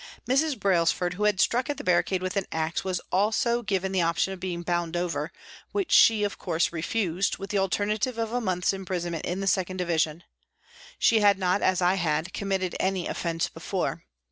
Mrs. Brailsford, who had struck at the barricade NEWCASTLE PRISON 225 with an axe, was also given the option of being bound over, which she, of course, refused, with the alternative of a month's imprisonment in the 2nd Division. She had not, as I had, committed any offence before.